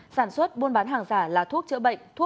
sản xuất buôn bán hàng giả là thuốc chữa bệnh thuốc